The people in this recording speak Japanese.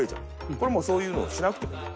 これはもうそういうのをしなくていい。